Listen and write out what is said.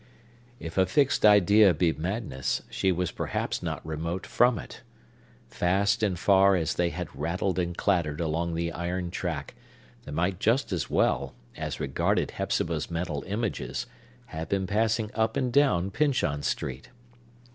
If a fixed idea be madness, she was perhaps not remote from it. Fast and far as they had rattled and clattered along the iron track, they might just as well, as regarded Hepzibah's mental images, have been passing up and down Pyncheon Street.